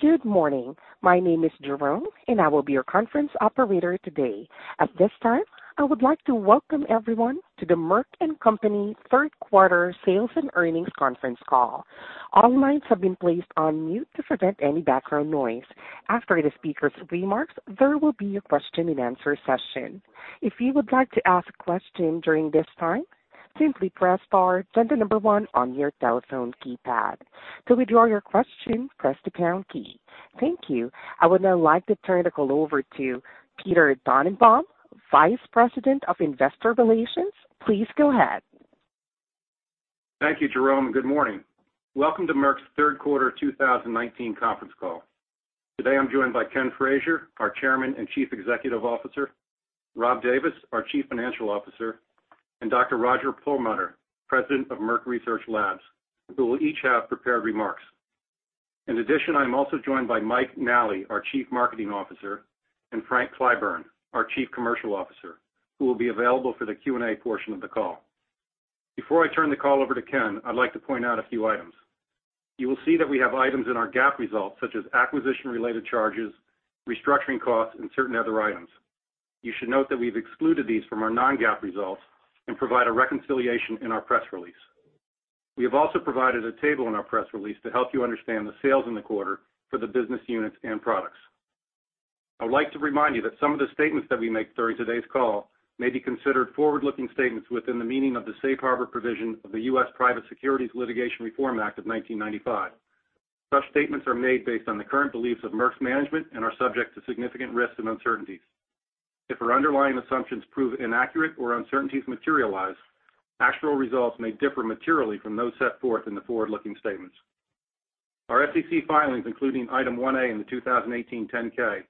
Good morning. My name is Jerome, and I will be your conference operator today. At this time, I would like to welcome everyone to the Merck & Co. third quarter sales and earnings conference call. All lines have been placed on mute to prevent any background noise. After the speakers' remarks, there will be a question and answer session. If you would like to ask a question during this time, simply press star, then the number 1 on your telephone keypad. To withdraw your question, press the pound key. Thank you. I would now like to turn the call over to Peter Dannenbaum, Vice President of Investor Relations. Please go ahead. Thank you, Jerome. Good morning. Welcome to Merck's third quarter 2019 conference call. Today, I'm joined by Ken Frazier, our Chairman and Chief Executive Officer, Rob Davis, our Chief Financial Officer, and Dr. Roger Perlmutter, President of Merck Research Laboratories, who will each have prepared remarks. In addition, I'm also joined by Mike Nally, our Chief Marketing Officer, and Frank Clyburn, our Chief Commercial Officer, who will be available for the Q&A portion of the call. Before I turn the call over to Ken, I'd like to point out a few items. You will see that we have items in our GAAP results, such as acquisition-related charges, restructuring costs, and certain other items. You should note that we've excluded these from our non-GAAP results and provide a reconciliation in our press release. We have also provided a table in our press release to help you understand the sales in the quarter for the business units and products. I would like to remind you that some of the statements that we make during today's call may be considered forward-looking statements within the meaning of the Safe Harbor Provision of the U.S. Private Securities Litigation Reform Act of 1995. Such statements are made based on the current beliefs of Merck's management and are subject to significant risks and uncertainties. If our underlying assumptions prove inaccurate or uncertainties materialize, actual results may differ materially from those set forth in the forward-looking statements. Our SEC filings, including Item one A in the 2018 10-K,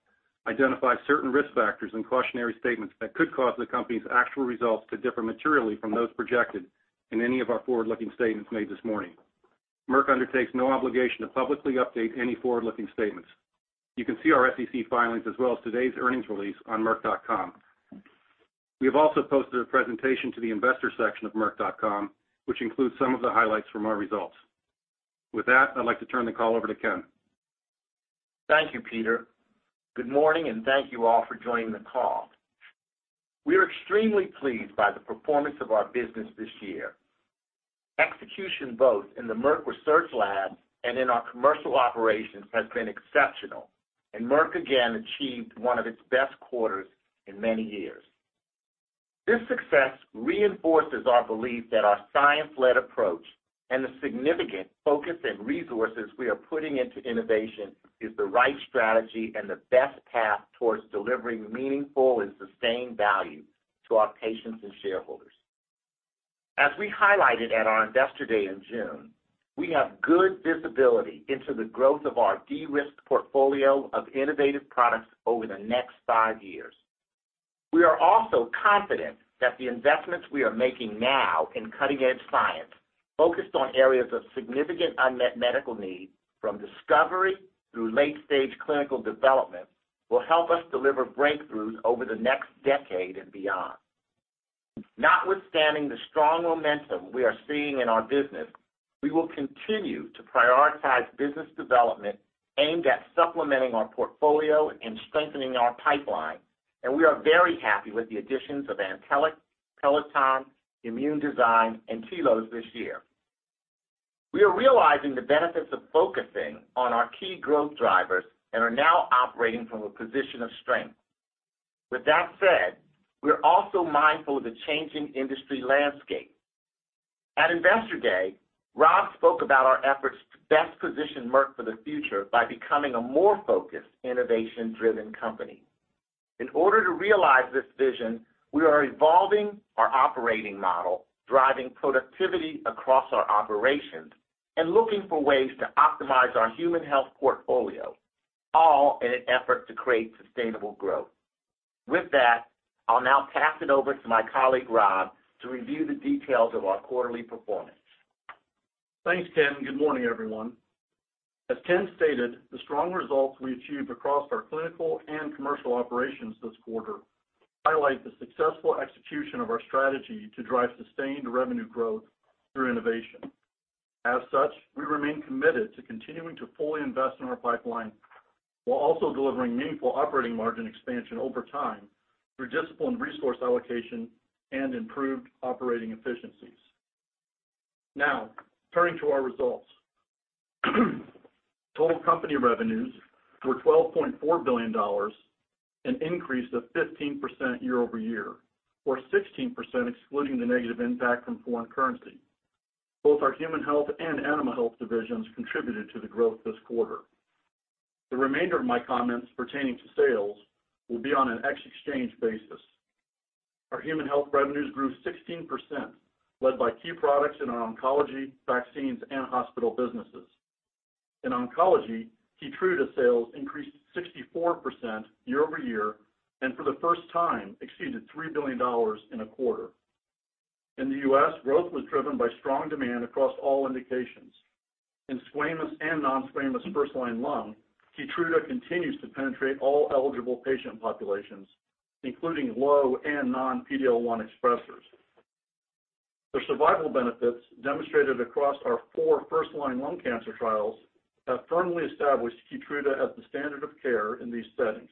identify certain risk factors and cautionary statements that could cause the company's actual results to differ materially from those projected in any of our forward-looking statements made this morning. Merck undertakes no obligation to publicly update any forward-looking statements. You can see our SEC filings as well as today's earnings release on merck.com. We have also posted a presentation to the investor section of merck.com, which includes some of the highlights from our results. With that, I'd like to turn the call over to Ken. Thank you, Peter. Good morning, and thank you all for joining the call. We are extremely pleased by the performance of our business this year. Execution both in the Merck Research Lab and in our commercial operations has been exceptional, and Merck again achieved one of its best quarters in many years. This success reinforces our belief that our science-led approach and the significant focus and resources we are putting into innovation is the right strategy and the best path towards delivering meaningful and sustained value to our patients and shareholders. As we highlighted at our Investor Day in June, we have good visibility into the growth of our de-risked portfolio of innovative products over the next five years. We are also confident that the investments we are making now in cutting-edge science, focused on areas of significant unmet medical need, from discovery through late-stage clinical development, will help us deliver breakthroughs over the next decade and beyond. Notwithstanding the strong momentum we are seeing in our business, we will continue to prioritize business development aimed at supplementing our portfolio and strengthening our pipeline, and we are very happy with the additions of Antelliq, Peloton, Immune Design, and Tilos this year. We are realizing the benefits of focusing on our key growth drivers and are now operating from a position of strength. With that said, we are also mindful of the changing industry landscape. At Investor Day, Rob spoke about our efforts to best position Merck for the future by becoming a more focused, innovation-driven company. In order to realize this vision, we are evolving our operating model, driving productivity across our operations, and looking for ways to optimize our Human Health portfolio, all in an effort to create sustainable growth. With that, I'll now pass it over to my colleague, Rob, to review the details of our quarterly performance. Thanks, Ken. Good morning, everyone. As Ken stated, the strong results we achieved across our clinical and commercial operations this quarter highlight the successful execution of our strategy to drive sustained revenue growth through innovation. As such, we remain committed to continuing to fully invest in our pipeline while also delivering meaningful operating margin expansion over time through disciplined resource allocation and improved operating efficiencies. Now, turning to our results. Total company revenues were $12.4 billion, an increase of 15% year-over-year, or 16% excluding the negative impact from foreign currency. Both our Human Health and Animal Health divisions contributed to the growth this quarter. The remainder of my comments pertaining to sales will be on an ex-exchange basis. Our Human Health revenues grew 16%, led by key products in our oncology, vaccines, and hospital businesses. In oncology, KEYTRUDA sales increased 64% year-over-year, and for the first time exceeded $3 billion in a quarter. In the U.S., growth was driven by strong demand across all indications. In squamous and non-squamous first-line lung, KEYTRUDA continues to penetrate all eligible patient populations, including low and non-PD-L1 expressors. The survival benefits demonstrated across our four first-line lung cancer trials have firmly established KEYTRUDA as the standard of care in these settings.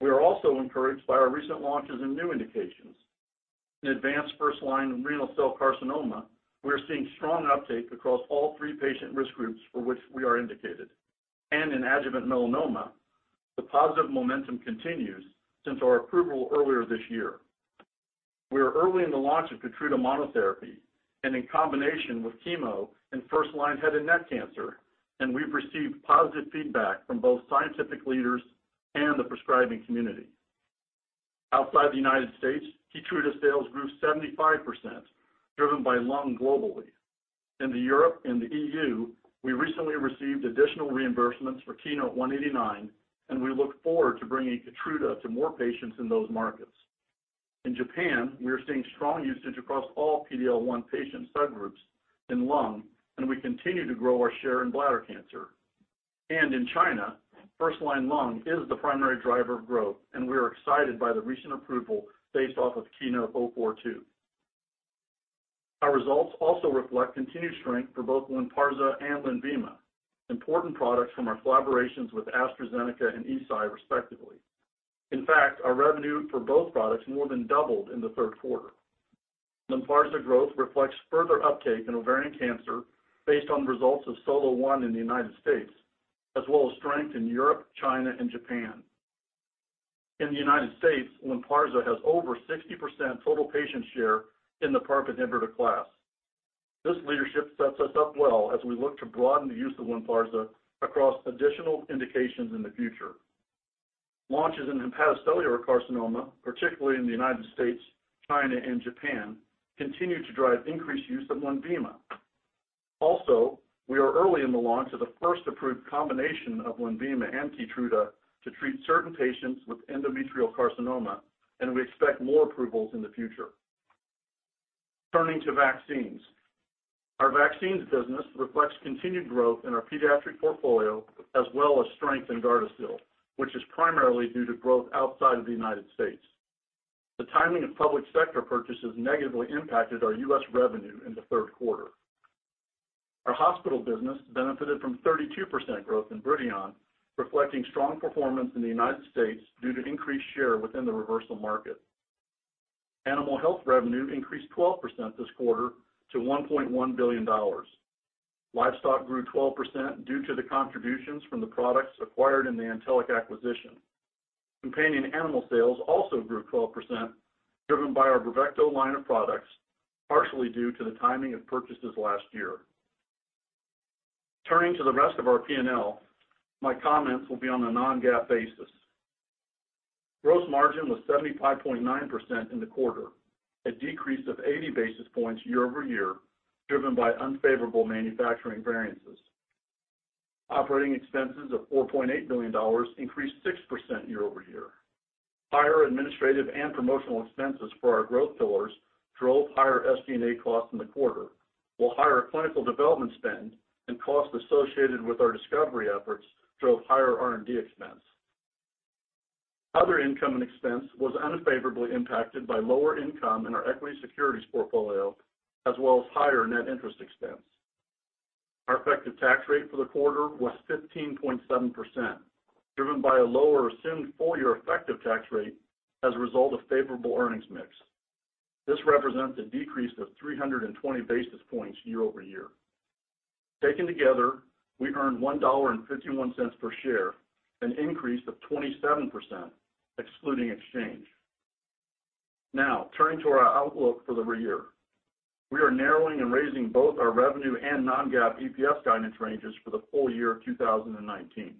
We are also encouraged by our recent launches in new indications. In advanced first-line renal cell carcinoma, we are seeing strong uptake across all three patient risk groups for which we are indicated, and in adjuvant melanoma, the positive momentum continues since our approval earlier this year. We are early in the launch of KEYTRUDA monotherapy and in combination with chemo in first-line head and neck cancer. We've received positive feedback from both scientific leaders and the prescribing community. Outside the United States, KEYTRUDA sales grew 75%, driven by lung globally. In the Europe and the EU, we recently received additional reimbursements for KEYNOTE-189. We look forward to bringing KEYTRUDA to more patients in those markets. In Japan, we are seeing strong usage across all PD-L1 patient subgroups in lung. We continue to grow our share in bladder cancer. In China, first-line lung is the primary driver of growth. We are excited by the recent approval based off of KEYNOTE-042. Our results also reflect continued strength for both LYNPARZA and LENVIMA, important products from our collaborations with AstraZeneca and Eisai, respectively. In fact, our revenue for both products more than doubled in the third quarter. LYNPARZA growth reflects further uptake in ovarian cancer based on results of SOLO-1 in the U.S., as well as strength in Europe, China, and Japan. In the U.S., LYNPARZA has over 60% total patient share in the PARP inhibitor class. This leadership sets us up well as we look to broaden the use of LYNPARZA across additional indications in the future. Launches in hepatocellular carcinoma, particularly in the U.S., China, and Japan, continue to drive increased use of LENVIMA. We are early in the launch of the first approved combination of LENVIMA and KEYTRUDA to treat certain patients with endometrial carcinoma, and we expect more approvals in the future. Turning to vaccines. Our vaccines business reflects continued growth in our pediatric portfolio, as well as strength in GARDASIL, which is primarily due to growth outside of the U.S. The timing of public sector purchases negatively impacted our U.S. revenue in the third quarter. Our hospital business benefited from 32% growth in BRIDION, reflecting strong performance in the U.S. due to increased share within the reversal market. Animal health revenue increased 12% this quarter to $1.1 billion. Livestock grew 12% due to the contributions from the products acquired in the Antelliq acquisition. Companion animal sales also grew 12%, driven by our BRAVECTO line of products, partially due to the timing of purchases last year. Turning to the rest of our P&L, my comments will be on a non-GAAP basis. Gross margin was 75.9% in the quarter, a decrease of 80 basis points year-over-year driven by unfavorable manufacturing variances. Operating expenses of $4.8 billion increased 6% year-over-year. Higher administrative and promotional expenses for our growth pillars drove higher SG&A costs in the quarter, while higher clinical development spend and costs associated with our discovery efforts drove higher R&D expense. Other income and expense was unfavorably impacted by lower income in our equity securities portfolio, as well as higher net interest expense. Our effective tax rate for the quarter was 15.7%, driven by a lower assumed full year effective tax rate as a result of favorable earnings mix. This represents a decrease of 320 basis points year-over-year. Taken together, we earned $1.51 per share, an increase of 27%, excluding exchange. Turning to our outlook for the year. We are narrowing and raising both our revenue and non-GAAP EPS guidance ranges for the full year of 2019.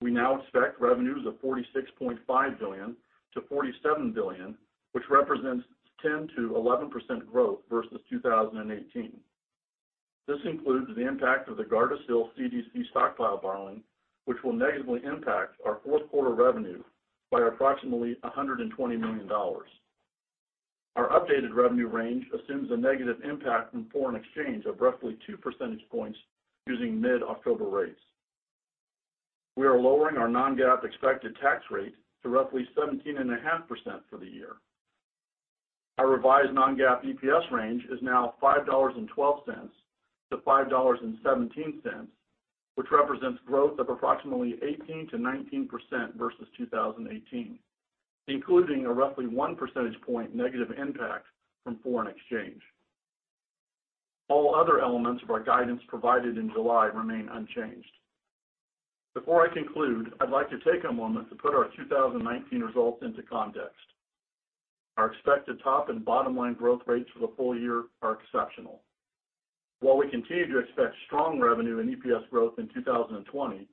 We now expect revenues of $46.5 billion-$47 billion, which represents 10%-11% growth versus 2018. This includes the impact of the GARDASIL CDC stockpile borrowing, which will negatively impact our fourth quarter revenue by approximately $120 million. Our updated revenue range assumes a negative impact from foreign exchange of roughly 2 percentage points using mid-October rates. We are lowering our non-GAAP expected tax rate to roughly 17.5% for the year. Our revised non-GAAP EPS range is now $5.12-$5.17, which represents growth of approximately 18%-19% versus 2018, including a roughly 1 percentage point negative impact from foreign exchange. All other elements of our guidance provided in July remain unchanged. Before I conclude, I'd like to take a moment to put our 2019 results into context. Our expected top and bottom line growth rates for the full year are exceptional. While we continue to expect strong revenue and EPS growth in 2020,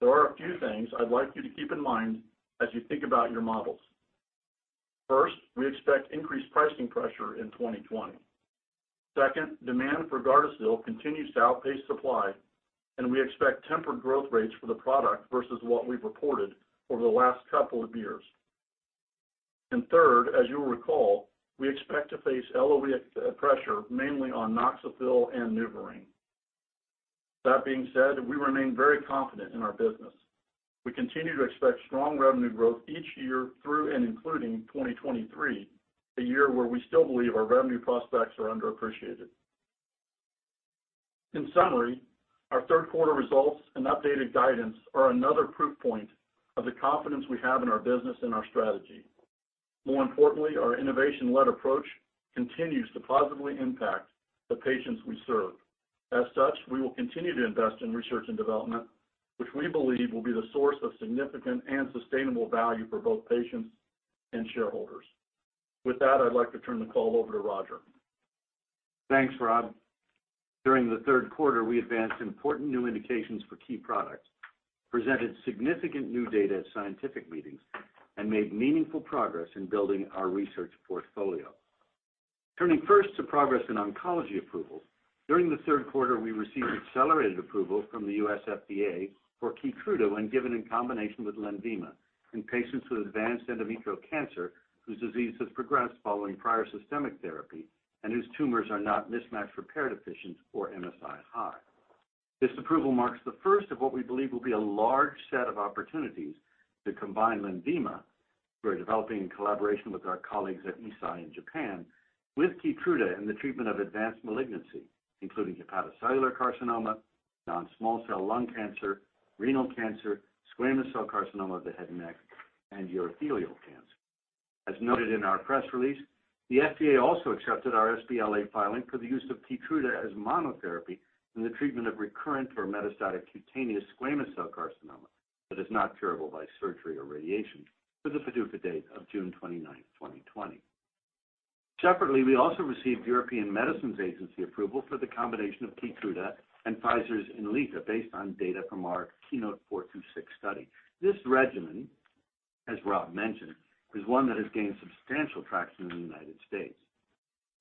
there are a few things I'd like you to keep in mind as you think about your models. First, we expect increased pricing pressure in 2020. Second, demand for GARDASIL continues to outpace supply, and we expect tempered growth rates for the product versus what we've reported over the last couple of years. Third, as you'll recall, we expect to face LOE pressure mainly on NOXAFIL and NuvaRing. That being said, we remain very confident in our business. We continue to expect strong revenue growth each year through and including 2023, a year where we still believe our revenue prospects are underappreciated. In summary, our third quarter results and updated guidance are another proof point of the confidence we have in our business and our strategy. More importantly, our innovation-led approach continues to positively impact the patients we serve. As such, we will continue to invest in research and development, which we believe will be the source of significant and sustainable value for both patients and shareholders. With that, I'd like to turn the call over to Roger. Thanks, Rob. During the third quarter, we advanced important new indications for key products, presented significant new data at scientific meetings, and made meaningful progress in building our research portfolio. Turning first to progress in oncology approvals, during the third quarter, we received accelerated approval from the U.S. FDA for KEYTRUDA when given in combination with LENVIMA in patients with advanced endometrial cancer whose disease has progressed following prior systemic therapy and whose tumors are not mismatch repair deficient or MSI-high. This approval marks the first of what we believe will be a large set of opportunities to combine LENVIMA, we're developing in collaboration with our colleagues at Eisai in Japan, with KEYTRUDA in the treatment of advanced malignancy, including hepatocellular carcinoma, non-small cell lung cancer, renal cancer, squamous cell carcinoma of the head and neck, and urothelial cancer. As noted in our press release, the FDA also accepted our sBLA filing for the use of KEYTRUDA as monotherapy in the treatment of recurrent or metastatic cutaneous squamous cell carcinoma that is not curable by surgery or radiation with a PDUFA date of June 29, 2020. We also received European Medicines Agency approval for the combination of KEYTRUDA and Pfizer's INLYTA, based on data from our KEYNOTE-426 study. This regimen, as Rob mentioned, is one that has gained substantial traction in the United States.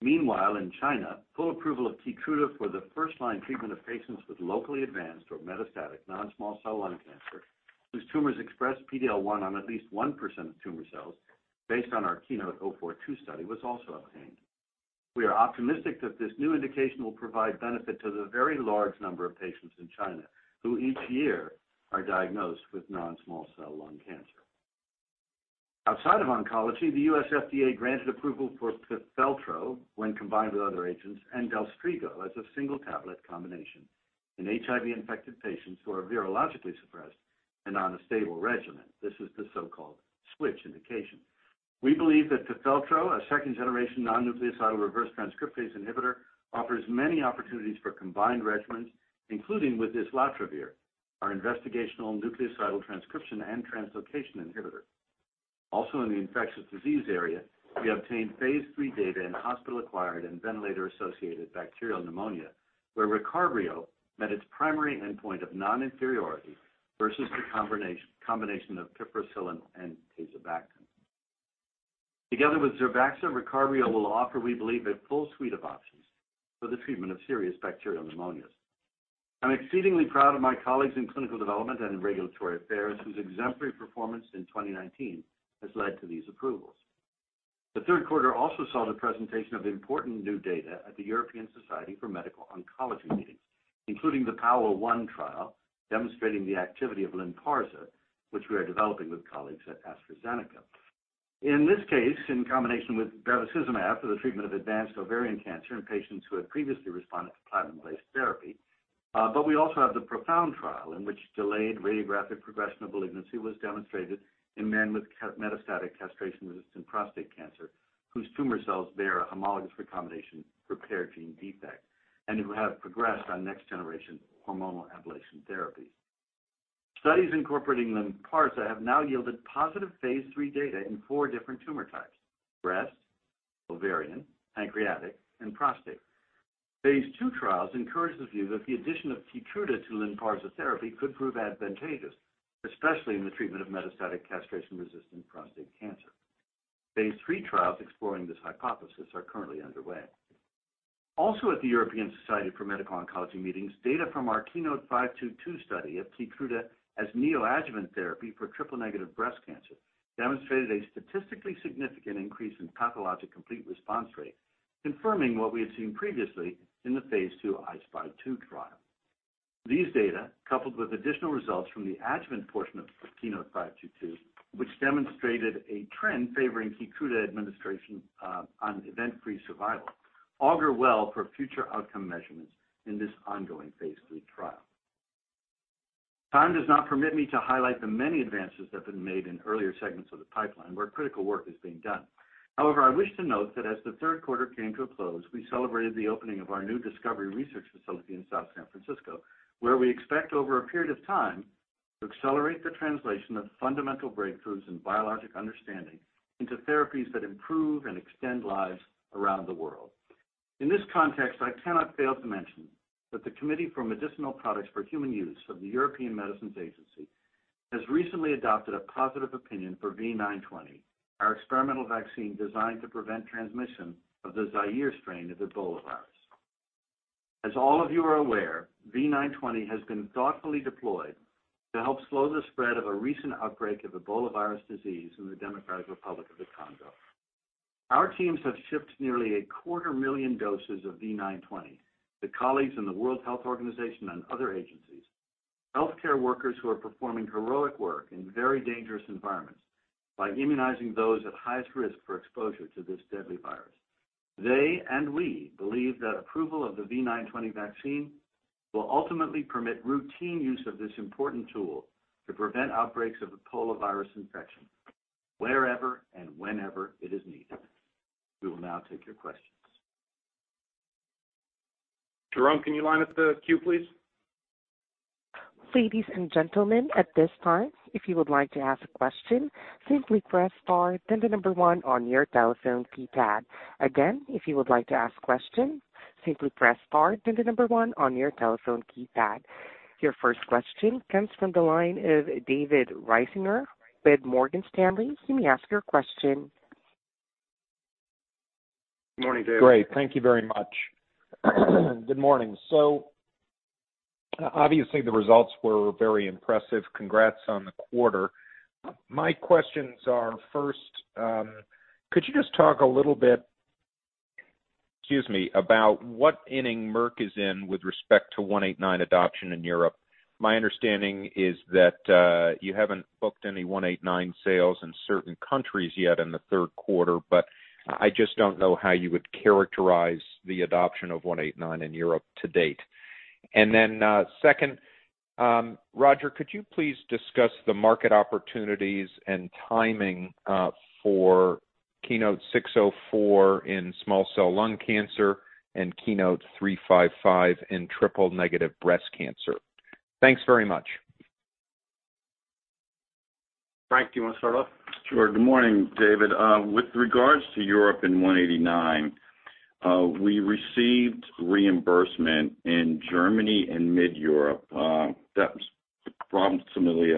In China, full approval of KEYTRUDA for the first-line treatment of patients with locally advanced or metastatic non-small cell lung cancer whose tumors express PD-L1 on at least 1% of tumor cells based on our KEYNOTE-042 study was also obtained. We are optimistic that this new indication will provide benefit to the very large number of patients in China who each year are diagnosed with non-small cell lung cancer. Outside of oncology, the U.S. FDA granted approval for PIFELTRO, when combined with other agents, and DELSTRIGO as a single tablet combination in HIV infected patients who are virologically suppressed and on a stable regimen. This is the so-called switch indication. We believe that PIFELTRO, a second-generation non-nucleoside reverse transcriptase inhibitor, offers many opportunities for combined regimens, including with islatravir, our investigational nucleoside reverse transcriptase translocation inhibitor. Also in the infectious disease area, we obtained phase III data in hospital-acquired and ventilator-associated bacterial pneumonia, where RECARBRIO met its primary endpoint of non-inferiority versus the combination of piperacillin and tazobactam. Together with ZERBAXA, RECARBRIO will offer, we believe, a full suite of options for the treatment of serious bacterial pneumonias. I'm exceedingly proud of my colleagues in clinical development and regulatory affairs, whose exemplary performance in 2019 has led to these approvals. The third quarter also saw the presentation of important new data at the European Society for Medical Oncology meetings, including the PAOLA-1 trial demonstrating the activity of LYNPARZA, which we are developing with colleagues at AstraZeneca. In this case, in combination with bevacizumab for the treatment of advanced ovarian cancer in patients who had previously responded to platinum-based therapy. We also have the PROfound trial in which delayed radiographic progression of malignancy was demonstrated in men with metastatic castration-resistant prostate cancer, whose tumor cells bear a homologous recombination repair gene defect and who have progressed on next generation hormonal ablation therapy. Studies incorporating LYNPARZA have now yielded positive phase III data in four different tumor types: breast, ovarian, pancreatic, and prostate. Phase II trials encourage the view that the addition of KEYTRUDA to LYNPARZA therapy could prove advantageous, especially in the treatment of metastatic castration-resistant prostate cancer. Phase III trials exploring this hypothesis are currently underway. Also at the European Society for Medical Oncology meetings, data from our KEYNOTE-522 study of KEYTRUDA as neoadjuvant therapy for triple-negative breast cancer demonstrated a statistically significant increase in pathologic complete response rate, confirming what we had seen previously in the phase II I-SPY 2 trial. These data, coupled with additional results from the adjuvant portion of KEYNOTE-522, which demonstrated a trend favoring KEYTRUDA administration on event-free survival, augur well for future outcome measurements in this ongoing phase III trial. Time does not permit me to highlight the many advances that have been made in earlier segments of the pipeline where critical work is being done. I wish to note that as the third quarter came to a close, we celebrated the opening of our new discovery research facility in South San Francisco, where we expect over a period of time to accelerate the translation of fundamental breakthroughs in biologic understanding into therapies that improve and extend lives around the world. In this context, I cannot fail to mention that the Committee for Medicinal Products for Human Use of the European Medicines Agency has recently adopted a positive opinion for V920, our experimental vaccine designed to prevent transmission of the Zaire strain of Ebola virus. As all of you are aware, V920 has been thoughtfully deployed to help slow the spread of a recent outbreak of Ebola virus disease in the Democratic Republic of the Congo. Our teams have shipped nearly a quarter million doses of V920 to colleagues in the World Health Organization and other agencies. Healthcare workers who are performing heroic work in very dangerous environments by immunizing those at highest risk for exposure to this deadly virus. They and we believe that approval of the V920 vaccine will ultimately permit routine use of this important tool to prevent outbreaks of the Ebola virus infection wherever and whenever it is needed. We will now take your questions. Jerome, can you line up the queue, please? Ladies and gentlemen, at this time, if you would like to ask a question, simply press star, then the number one on your telephone keypad. Again, if you would like to ask a question, simply press star, then the number one on your telephone keypad. Your first question comes from the line of David Risinger with Morgan Stanley. You may ask your question. Morning, David. Great. Thank you very much. Good morning. Obviously the results were very impressive. Congrats on the quarter. My questions are, first, could you just talk a little bit, excuse me, about what inning Merck is in with respect to 189 adoption in Europe? My understanding is that you haven't booked any 189 sales in certain countries yet in the third quarter, but I just don't know how you would characterize the adoption of 189 in Europe to date. Second, Roger, could you please discuss the market opportunities and timing for KEYNOTE-604 in small cell lung cancer and KEYNOTE-355 in triple-negative breast cancer? Thanks very much. Frank, do you want to start off? Sure. Good morning, David. With regards to Europe and 189, we received reimbursement in Germany and mid-Europe. That was approximately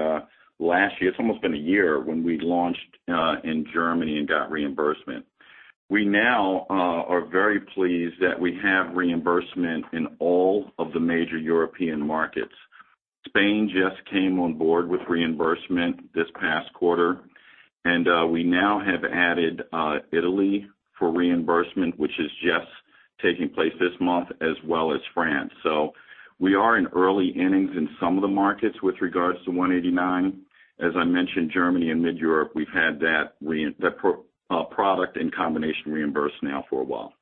last year. It's almost been a year when we launched in Germany and got reimbursement. We now are very pleased that we have reimbursement in all of the major European markets. Spain just came on board with reimbursement this past quarter. We now have added Italy for reimbursement, which is just taking place this month, as well as France. We are in early innings in some of the markets with regards to 189. As I mentioned, Germany and mid-Europe, we've had that product in combination reimbursed now for a while.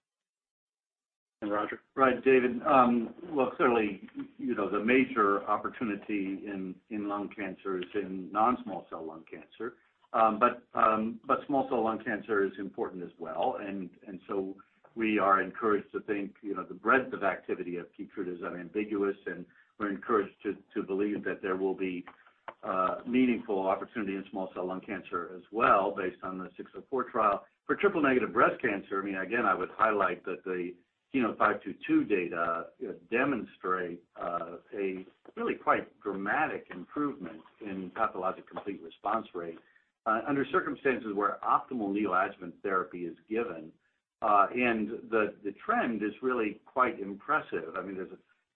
Roger? Right, David. Clearly, the major opportunity in lung cancer is in non-small cell lung cancer. Small cell lung cancer is important as well, we are encouraged to think the breadth of activity of KEYTRUDA is unambiguous, we're encouraged to believe that there will be meaningful opportunity in small cell lung cancer as well, based on the 604 trial. For triple-negative breast cancer, again, I would highlight that the KEYNOTE-522 data demonstrate a really quite dramatic improvement in pathologic complete response rate under circumstances where optimal neoadjuvant therapy is given. The trend is really quite impressive. There's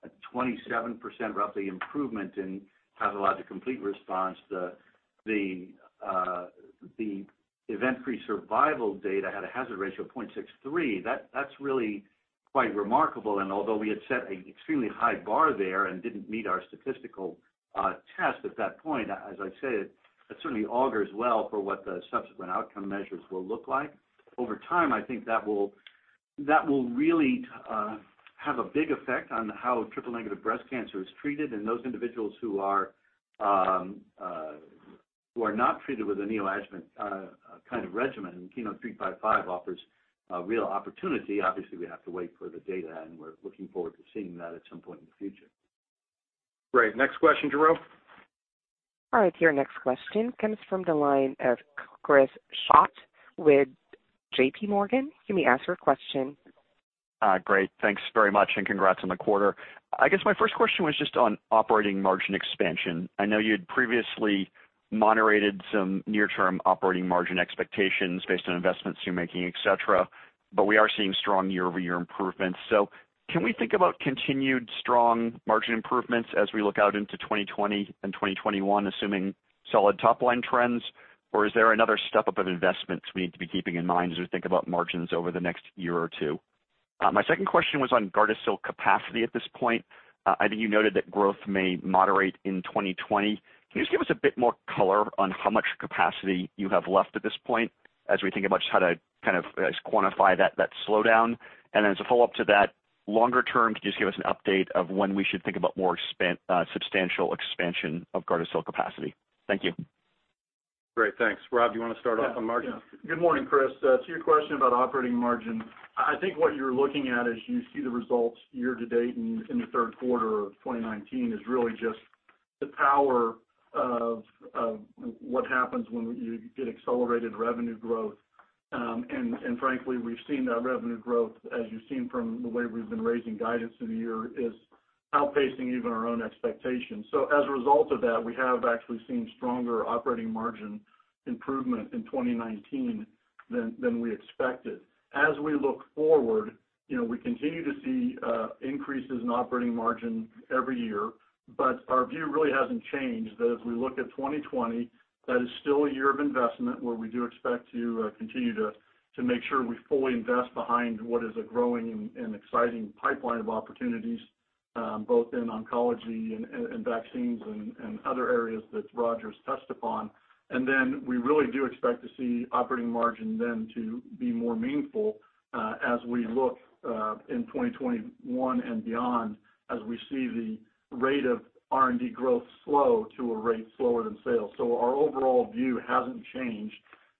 a 27% roughly improvement in pathologic complete response. The event-free survival data had a hazard ratio of .63. That's really quite remarkable, and although we had set an extremely high bar there and didn't meet our statistical test at that point, as I said, it certainly augurs well for what the subsequent outcome measures will look like. Over time, I think that will really have a big effect on how triple-negative breast cancer is treated in those individuals who are not treated with a neoadjuvant kind of regimen, and KEYNOTE-355 offers a real opportunity. Obviously, we have to wait for the data, and we're looking forward to seeing that at some point in the future. Great. Next question, Jerome. All right, your next question comes from the line of Chris Schott with J.P. Morgan. You may ask your question. Great. Thanks very much, and congrats on the quarter. I guess my first question was just on operating margin expansion. I know you had previously moderated some near-term operating margin expectations based on investments you're making, et cetera, but we are seeing strong year-over-year improvements. Can we think about continued strong margin improvements as we look out into 2020 and 2021, assuming solid top-line trends, or is there another step-up of investments we need to be keeping in mind as we think about margins over the next year or two? My second question was on GARDASIL capacity at this point. I think you noted that growth may moderate in 2020. Can you just give us a bit more color on how much capacity you have left at this point as we think about just how to kind of quantify that slowdown? Then as a follow-up to that, longer term, could you just give us an update of when we should think about more substantial expansion of GARDASIL capacity? Thank you. Great. Thanks. Rob, do you want to start off on margin? Good morning, Chris. To your question about operating margin, I think what you're looking at as you see the results year to date in the third quarter of 2019 is really just the power of what happens when you get accelerated revenue growth. Frankly, we've seen that revenue growth, as you've seen from the way we've been raising guidance through the year, is outpacing even our own expectations. As a result of that, we have actually seen stronger operating margin improvement in 2019 than we expected. As we look forward, we continue to see increases in operating margin every year. Our view really hasn't changed that as we look at 2020, that is still a year of investment where we do expect to continue to make sure we fully invest behind what is a growing and exciting pipeline of opportunities both in oncology and vaccines and other areas that Roger's touched upon. We really do expect to see operating margin then to be more meaningful as we look in 2021 and beyond, as we see the rate of R&D growth slow to a rate slower than sales. Our overall view hasn't changed.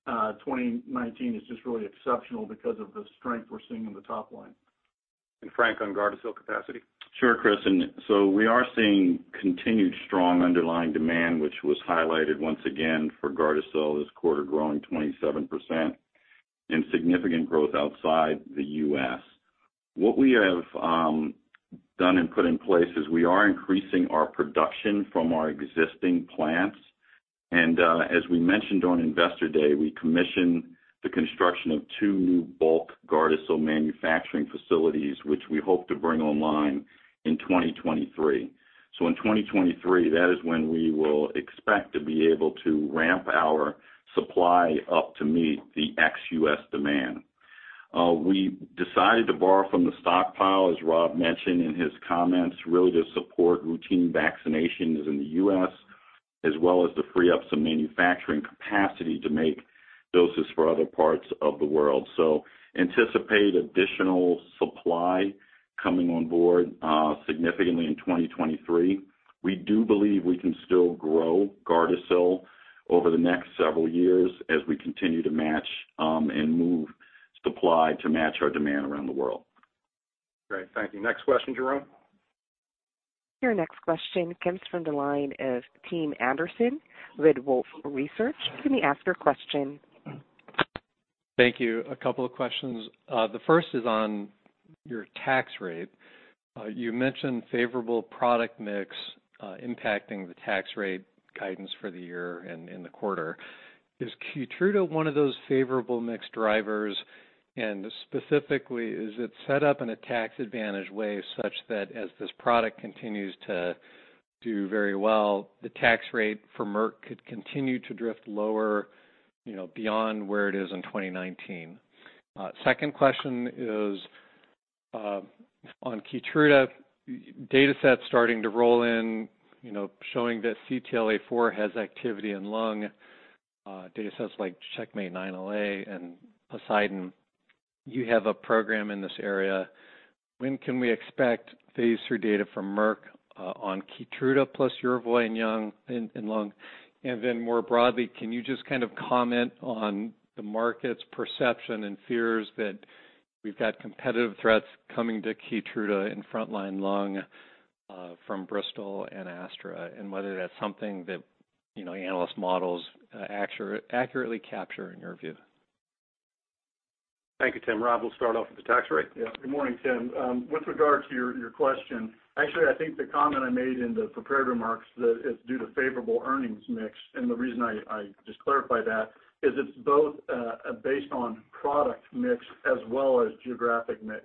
2019 is just really exceptional because of the strength we're seeing in the top line. Frank, on GARDASIL capacity? Sure, Chris. We are seeing continued strong underlying demand, which was highlighted once again for GARDASIL this quarter, growing 27%, and significant growth outside the U.S. What we have done and put in place is we are increasing our production from our existing plants. As we mentioned on Investor Day, we commissioned the construction of two new bulk GARDASIL manufacturing facilities, which we hope to bring online in 2023. In 2023, that is when we will expect to be able to ramp our supply up to meet the ex-U.S. demand. We decided to borrow from the stockpile, as Rob mentioned in his comments, really to support routine vaccinations in the U.S., as well as to free up some manufacturing capacity to make doses for other parts of the world. Anticipate additional supply coming on board significantly in 2023. We do believe we can still grow GARDASIL over the next several years as we continue to match and move supply to match our demand around the world. Great. Thank you. Next question, Jerome? Your next question comes from the line of Tim Anderson, Wolfe Research. You may ask your question. Thank you. A couple of questions. The first is on your tax rate. You mentioned favorable product mix impacting the tax rate guidance for the year and in the quarter. Is KEYTRUDA one of those favorable mix drivers, and specifically, is it set up in a tax-advantaged way such that as this product continues to do very well, the tax rate for Merck could continue to drift lower beyond where it is in 2019? Second question is on KEYTRUDA data sets starting to roll in showing that CTLA-4 has activity in lung, datasets like CheckMate 9LA and POSEIDON. You have a program in this area. When can we expect phase III data from Merck on KEYTRUDA plus YERVOY in lung? More broadly, can you just kind of comment on the market's perception and fears that we've got competitive threats coming to KEYTRUDA in frontline lung from Bristol and Astra, and whether that's something that analyst models accurately capture in your view? Thank you, Tim. Rob, we'll start off with the tax rate. Good morning, Tim. With regard to your question, actually, I think the comment I made in the prepared remarks that it's due to favorable earnings mix, and the reason I just clarify that is it's both based on product mix as well as geographic mix.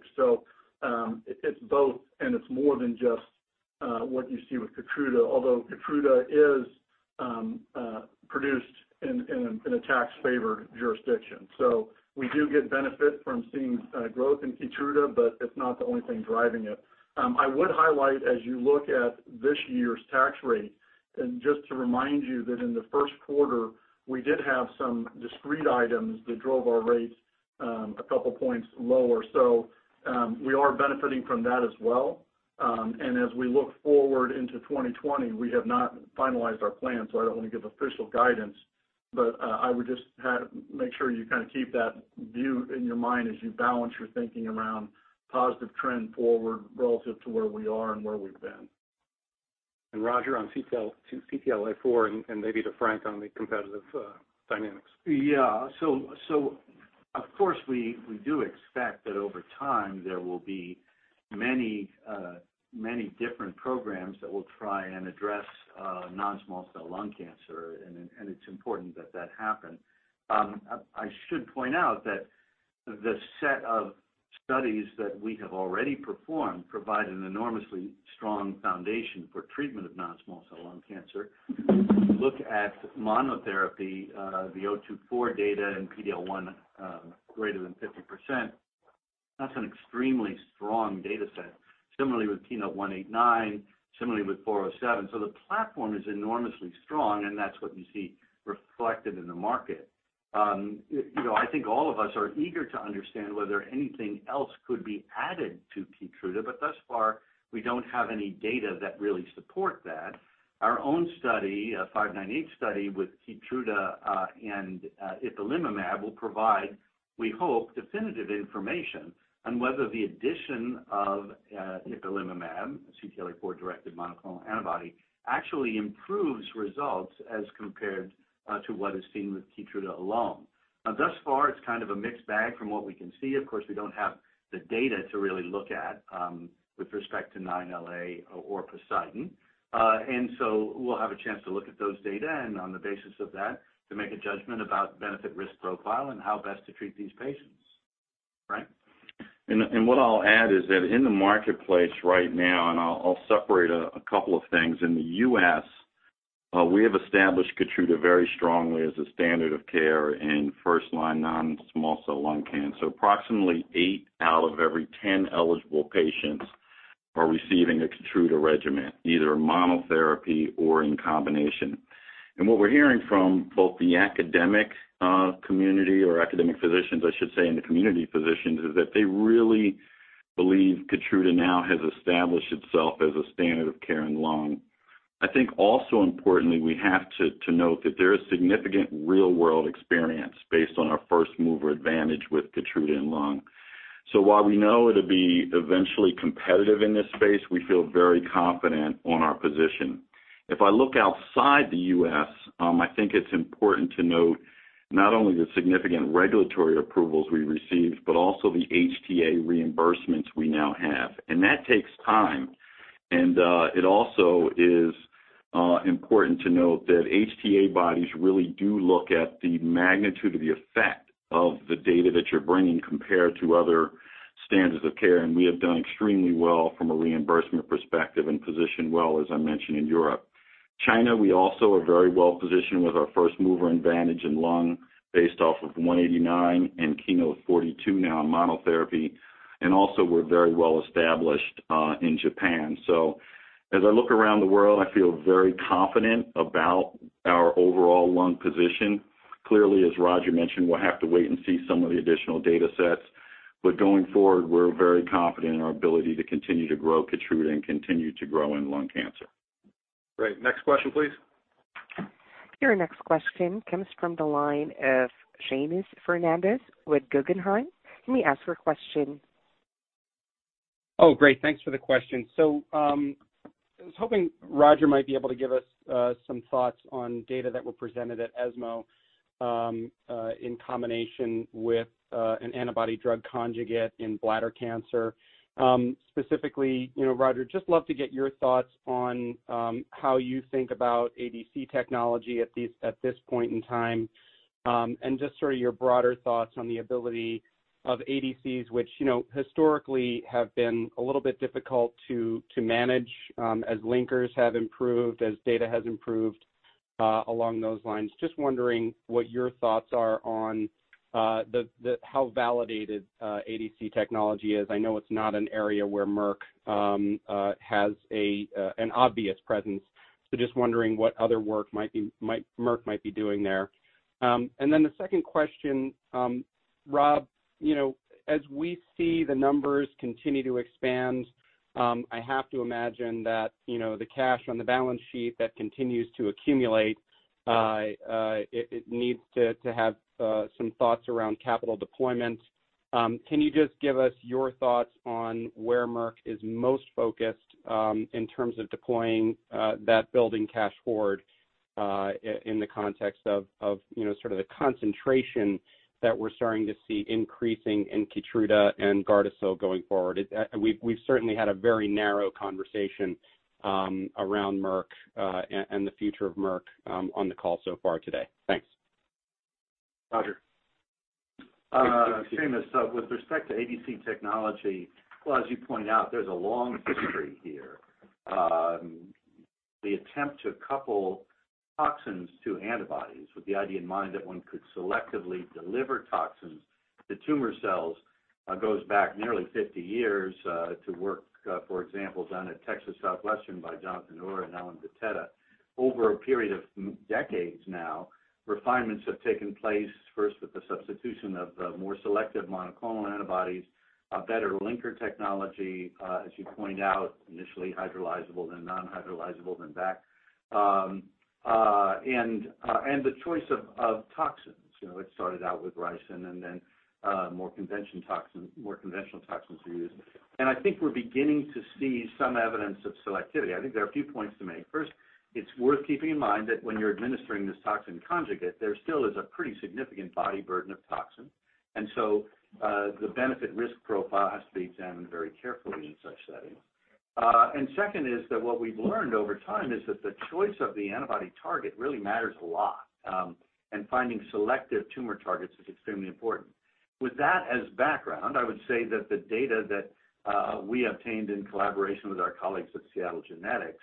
It's both, and it's more than just what you see with KEYTRUDA, although KEYTRUDA is produced in a tax-favored jurisdiction. We do get benefit from seeing growth in KEYTRUDA, but it's not the only thing driving it. I would highlight, as you look at this year's tax rate, and just to remind you that in the first quarter, we did have some discrete items that drove our rates a couple points lower. We are benefiting from that as well. As we look forward into 2020, we have not finalized our plan, so I don't want to give official guidance, but I would just make sure you kind of keep that view in your mind as you balance your thinking around positive trend forward relative to where we are and where we've been. Roger, on CTLA-4, and maybe to Frank on the competitive dynamics. Yeah. Of course, we do expect that over time there will be many different programs that will try and address non-small cell lung cancer, and it's important that that happen. I should point out that the set of studies that we have already performed provide an enormously strong foundation for treatment of non-small cell lung cancer. Look at monotherapy, the 024 data and PD-L1 greater than 50%. That's an extremely strong data set. Similarly with KEYNOTE-189, similarly with 407. The platform is enormously strong, and that's what you see reflected in the market. I think all of us are eager to understand whether anything else could be added to Keytruda, but thus far, we don't have any data that really support that. Our own study, a 598 study with KEYTRUDA and ipilimumab, will provide, we hope, definitive information on whether the addition of ipilimumab, a CTLA-4-directed monoclonal antibody, actually improves results as compared to what is seen with KEYTRUDA alone. Now thus far, it's kind of a mixed bag from what we can see. Of course, we don't have the data to really look at with respect to 9LA or POSEIDON. We'll have a chance to look at those data, and on the basis of that, to make a judgment about benefit risk profile and how best to treat these patients. Right. What I'll add is that in the marketplace right now, and I'll separate a couple of things, in the U.S., we have established KEYTRUDA very strongly as a standard of care in first-line non-small cell lung cancer. Approximately eight out of every 10 eligible patients are receiving a KEYTRUDA regimen, either monotherapy or in combination. What we're hearing from both the academic community, or academic physicians, I should say, and the community physicians, is that they really believe KEYTRUDA now has established itself as a standard of care in lung. I think also importantly, we have to note that there is significant real-world experience based on our first-mover advantage with KEYTRUDA in lung. While we know it'll be eventually competitive in this space, we feel very confident on our position. If I look outside the U.S., I think it's important to note not only the significant regulatory approvals we received, but also the HTA reimbursements we now have. That takes time. It also is important to note that HTA bodies really do look at the magnitude of the effect of the data that you're bringing compared to other standards of care, and we have done extremely well from a reimbursement perspective and position well, as I mentioned, in Europe. China, we also are very well-positioned with our first-mover advantage in lung based off of KEYNOTE-189 and KEYNOTE-042 now in monotherapy, and also we're very well-established in Japan. As I look around the world, I feel very confident about our overall lung position. Clearly, as Roger mentioned, we'll have to wait and see some of the additional data sets. Going forward, we're very confident in our ability to continue to grow KEYTRUDA and continue to grow in lung cancer. Great. Next question, please. Your next question comes from the line of Seamus Fernandez with Guggenheim. Can we ask your question? Oh, great. Thanks for the question. I was hoping Roger might be able to give us some thoughts on data that were presented at ESMO in combination with an antibody drug conjugate in bladder cancer. Specifically, Roger, just love to get your thoughts on how you think about ADC technology at this point in time and just sort of your broader thoughts on the ability of ADCs, which historically have been a little bit difficult to manage as linkers have improved, as data has improved along those lines. Just wondering what your thoughts are on how validated ADC technology is. I know it's not an area where Merck has an obvious presence, just wondering what other work Merck might be doing there. The second question, Rob, as we see the numbers continue to expand, I have to imagine that the cash on the balance sheet that continues to accumulate, it needs to have some thoughts around capital deployment. Can you just give us your thoughts on where Merck is most focused in terms of deploying that building cash forward in the context of sort of the concentration that we're starting to see increasing in KEYTRUDA and GARDASIL going forward? We've certainly had a very narrow conversation around Merck, and the future of Merck on the call so far today. Thanks. Roger. Seamus, with respect to ADC technology, well, as you pointed out, there's a long history here. The attempt to couple toxins to antibodies with the idea in mind that one could selectively deliver toxins to tumor cells goes back nearly 50 years to work, for example, done at UT Southwestern by Jonathan Uhr and Ellen Vitetta. Over a period of decades now, refinements have taken place, first with the substitution of more selective monoclonal antibodies, a better linker technology, as you pointed out, initially hydrolyzable, then non-hydrolyzable, then back. The choice of toxins. It started out with ricin and then more conventional toxins were used. I think we're beginning to see some evidence of selectivity. I think there are a few points to make. First, it's worth keeping in mind that when you're administering this toxin conjugate, there still is a pretty significant body burden of toxin. The benefit-risk profile has to be examined very carefully in such settings. Second is that what we've learned over time is that the choice of the antibody target really matters a lot, and finding selective tumor targets is extremely important. With that as background, I would say that the data that we obtained in collaboration with our colleagues at Seattle Genetics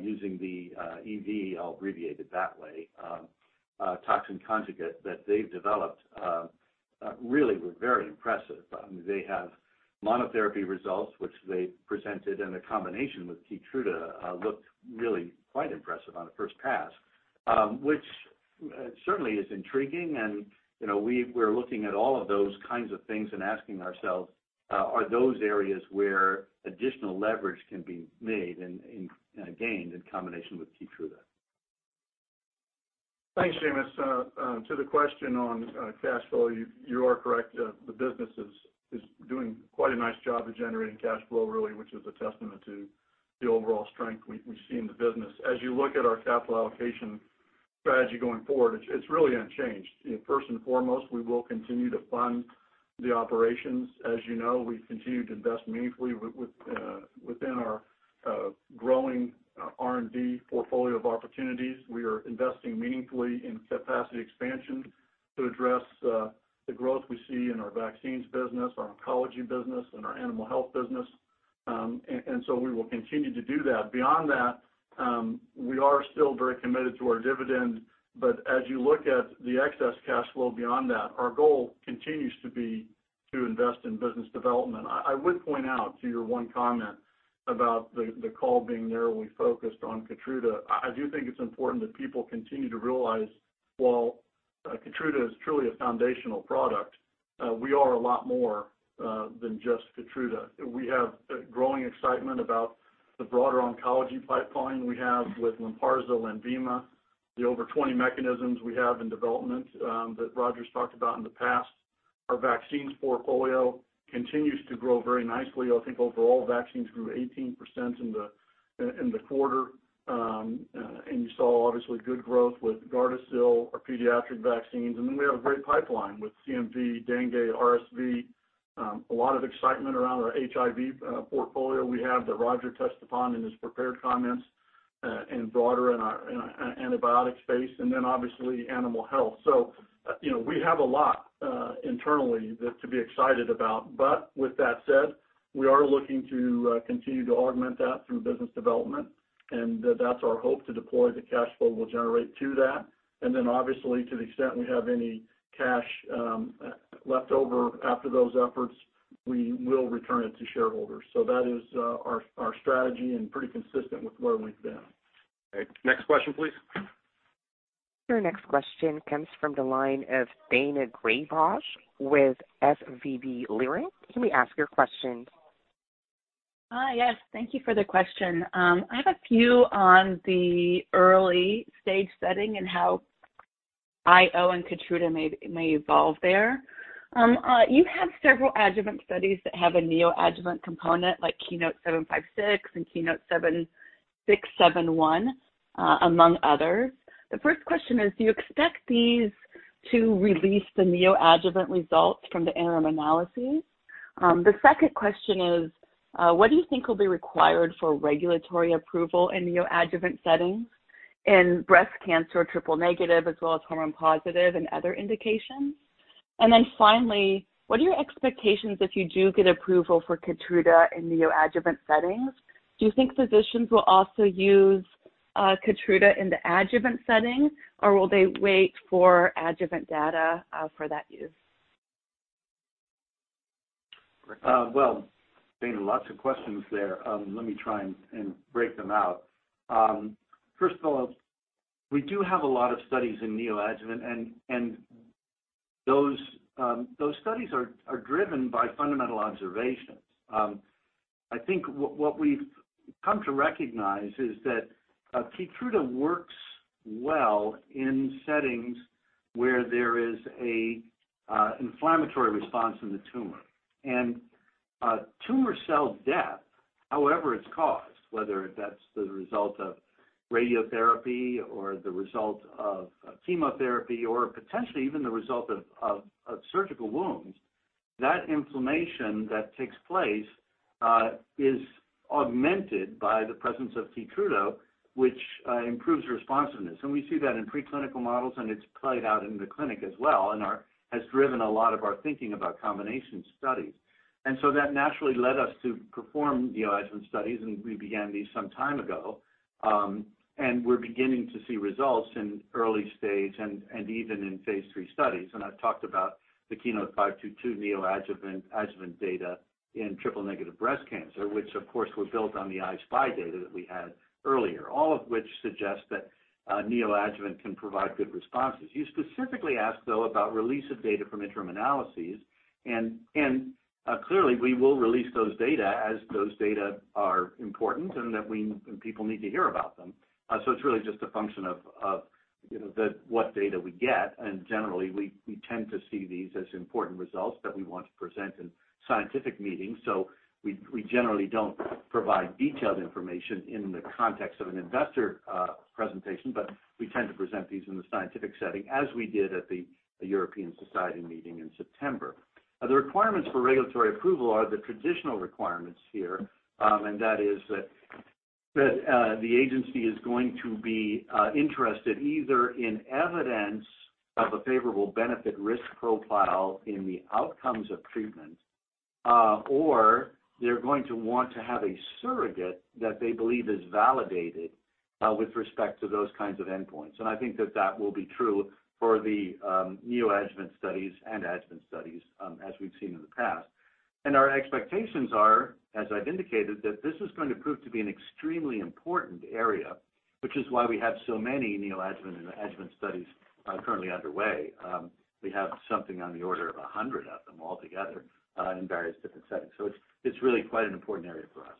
using the EV, I'll abbreviate it that way, toxin conjugate that they've developed really were very impressive. They have monotherapy results, which they presented in a combination with KEYTRUDA, looked really quite impressive on a first pass. Which certainly is intriguing, and we're looking at all of those kinds of things and asking ourselves, are those areas where additional leverage can be made and gained in combination with KEYTRUDA? Thanks, Seamus. To the question on cash flow, you are correct. The business is doing quite a nice job of generating cash flow, really, which is a testament to the overall strength we see in the business. As you look at our capital allocation strategy going forward, it's really unchanged. First and foremost, we will continue to fund the operations. As you know, we've continued to invest meaningfully within our growing R&D portfolio of opportunities. We are investing meaningfully in capacity expansion to address the growth we see in our vaccines business, our oncology business, and our animal health business. We will continue to do that. Beyond that, we are still very committed to our dividend, but as you look at the excess cash flow beyond that, our goal continues to be to invest in business development. I would point out to your one comment about the call being narrowly focused on KEYTRUDA. I do think it's important that people continue to realize while KEYTRUDA is truly a foundational product, we are a lot more than just KEYTRUDA. We have growing excitement about the broader oncology pipeline we have with LYNPARZA, LENVIMA, the over 20 mechanisms we have in development that Roger's talked about in the past. Our vaccines portfolio continues to grow very nicely. I think overall, vaccines grew 18% in the quarter. You saw obviously good growth with GARDASIL, our pediatric vaccines. We have a great pipeline with CMV, dengue, RSV. A lot of excitement around our HIV portfolio we have, that Roger touched upon in his prepared comments, and broader in our antibiotic space, and then obviously, animal health. We have a lot internally to be excited about. With that said, we are looking to continue to augment that through business development, and that's our hope to deploy the cash flow we'll generate to that. Then obviously, to the extent we have any cash left over after those efforts, we will return it to shareholders. That is our strategy and pretty consistent with where we've been. Okay. Next question please. Your next question comes from the line of Daina Graybosch with SVB Leerink. Can we ask your question? Hi. Yes, thank you for the question. I have a few on the early stage setting and how IO and KEYTRUDA may evolve there. You have several adjuvant studies that have a neoadjuvant component, like KEYNOTE-756 and KEYNOTE-671, among others. The first question is, do you expect these to release the neoadjuvant results from the interim analysis? The second question is, what do you think will be required for regulatory approval in neoadjuvant settings in breast cancer, triple negative, as well as hormone positive and other indications? Finally, what are your expectations if you do get approval for KEYTRUDA in neoadjuvant settings? Do you think physicians will also use KEYTRUDA in the adjuvant setting, or will they wait for adjuvant data for that use? Well, Daina, lots of questions there. Let me try and break them out. First of all, we do have a lot of studies in neoadjuvant, and those studies are driven by fundamental observations. I think what we've come to recognize is that Keytruda works well in settings where there is an inflammatory response in the tumor. Tumor cell death, however it's caused, whether that's the result of radiotherapy or the result of chemotherapy, or potentially even the result of surgical wounds, that inflammation that takes place is augmented by the presence of Keytruda, which improves responsiveness. We see that in pre-clinical models, and it's played out in the clinic as well and has driven a lot of our thinking about combination studies. That naturally led us to perform neoadjuvant studies, and we began these some time ago. We're beginning to see results in early stage and even in phase III studies. I've talked about the KEYNOTE-522 neoadjuvant adjuvant data in triple negative breast cancer, which of course, was built on the I-SPY data that we had earlier, all of which suggests that neoadjuvant can provide good responses. You specifically asked, though, about release of data from interim analyses. Clearly, we will release those data as those data are important and people need to hear about them. It's really just a function of what data we get. Generally, we tend to see these as important results that we want to present in scientific meetings, so we generally don't provide detailed information in the context of an investor presentation. We tend to present these in the scientific setting, as we did at the European Society meeting in September. The requirements for regulatory approval are the traditional requirements here, and that is that the agency is going to be interested either in evidence of a favorable benefit risk profile in the outcomes of treatment, or they're going to want to have a surrogate that they believe is validated with respect to those kinds of endpoints. I think that that will be true for the neoadjuvant studies and adjuvant studies as we've seen in the past. Our expectations are, as I've indicated, that this is going to prove to be an extremely important area, which is why we have so many neoadjuvant and adjuvant studies currently underway. We have something on the order of 100 of them altogether in various different settings. It's really quite an important area for us.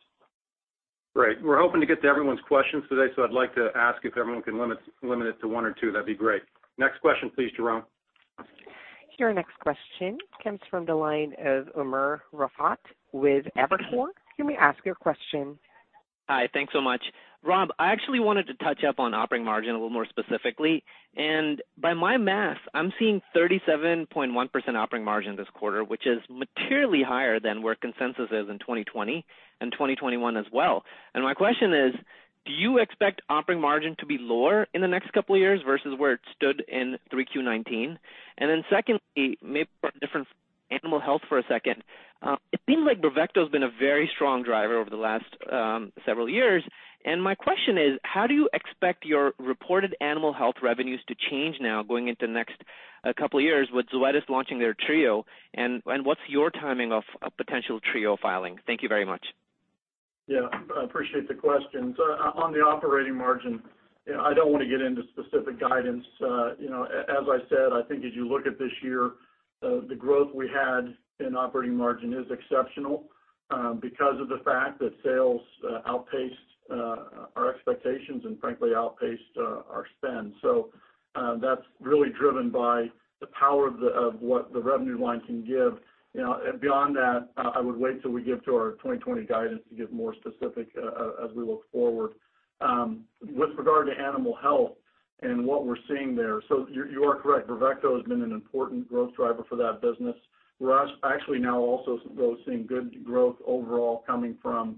Great. We're hoping to get to everyone's questions today, so I'd like to ask if everyone can limit it to one or two, that'd be great. Next question please, Jerome. Your next question comes from the line of Umer Raffat with Evercore. You may ask your question. Hi. Thanks so much. Rob, I actually wanted to touch up on operating margin a little more specifically. By my math, I'm seeing 37.1% operating margin this quarter, which is materially higher than where consensus is in 2020 and 2021 as well. My question is, do you expect operating margin to be lower in the next couple of years versus where it stood in 3Q 2019? Secondly, maybe from Animal health for a second. It seems like BRAVECTO's been a very strong driver over the last several years, and my question is, how do you expect your reported animal health revenues to change now going into next couple of years with Zoetis launching their trio, and what's your timing of a potential trio filing? Thank you very much. Yeah, I appreciate the question. On the operating margin, I don't want to get into specific guidance. As I said, I think as you look at this year, the growth we had in operating margin is exceptional because of the fact that sales outpaced our expectations and frankly, outpaced our spend. That's really driven by the power of what the revenue line can give. Beyond that, I would wait till we get to our 2020 guidance to get more specific as we look forward. With regard to animal health and what we're seeing there, so you are correct, BRAVECTO has been an important growth driver for that business. We're actually now also seeing good growth overall coming from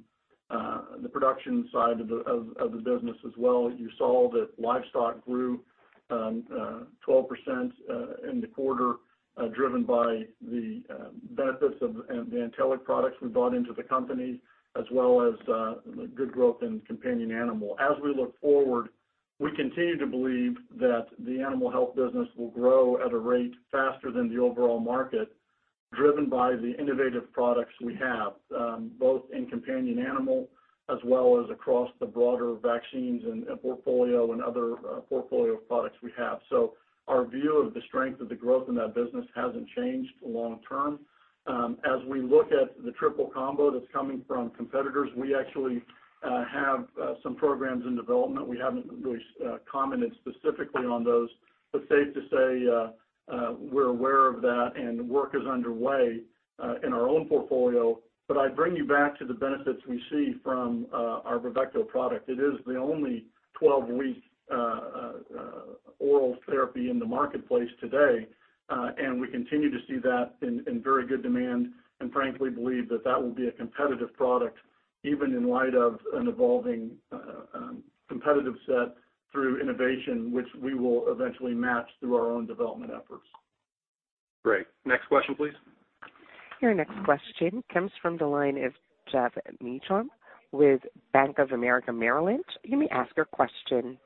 the production side of the business as well. You saw that livestock grew 12% in the quarter, driven by the benefits of the Antelliq products we brought into the company, as well as good growth in companion animal. As we look forward, we continue to believe that the animal health business will grow at a rate faster than the overall market, driven by the innovative products we have, both in companion animal as well as across the broader vaccines and portfolio and other portfolio of products we have. Our view of the strength of the growth in that business hasn't changed long term. As we look at the triple combo that's coming from competitors, we actually have some programs in development. We haven't really commented specifically on those, but safe to say we're aware of that and work is underway in our own portfolio. I bring you back to the benefits we see from our BRAVECTO product. It is the only 12-week oral therapy in the marketplace today, and we continue to see that in very good demand and frankly believe that will be a competitive product even in light of an evolving competitive set through innovation, which we will eventually match through our own development efforts. Great. Next question, please. Your next question comes from the line of Jeff Meacham with Bank of America Merrill Lynch. You may ask your question.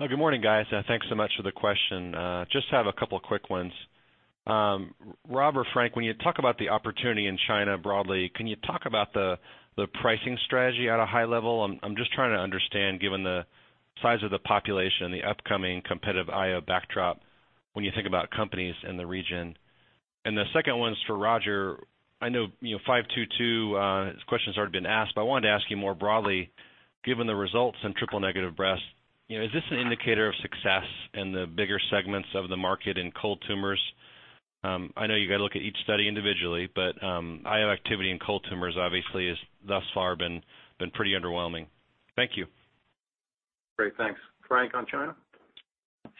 Good morning, guys. Thanks so much for the question. Just have a couple quick ones. Rob or Frank, when you talk about the opportunity in China broadly, can you talk about the pricing strategy at a high level? I'm just trying to understand, given the size of the population, the upcoming competitive IO backdrop when you think about companies in the region. The second one's for Roger. I know KEYNOTE-522 question's already been asked, I wanted to ask you more broadly, given the results in triple-negative breast, is this an indicator of success in the bigger segments of the market in cold tumors? I know you got to look at each study individually, IO activity in cold tumors obviously has thus far been pretty underwhelming. Thank you. Great. Thanks. Frank, on China?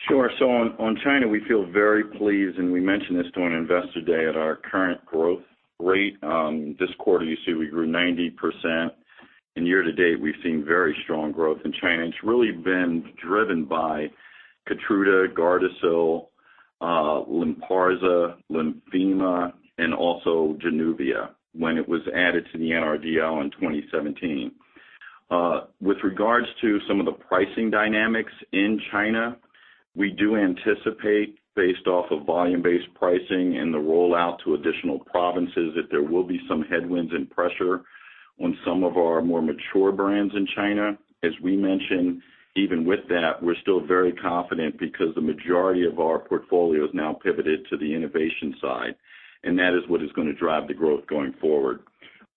Sure. On China, we feel very pleased, and we mentioned this during Investor Day at our current growth rate. This quarter, you see we grew 90%, and year to date, we've seen very strong growth in China. It's really been driven by KEYTRUDA, GARDASIL, LYNPARZA, LENVIMA, and also JANUVIA when it was added to the NRDL in 2017. With regards to some of the pricing dynamics in China, we do anticipate, based off of volume-based pricing and the rollout to additional provinces, that there will be some headwinds and pressure on some of our more mature brands in China. As we mentioned, even with that, we're still very confident because the majority of our portfolio is now pivoted to the innovation side, and that is what is going to drive the growth going forward.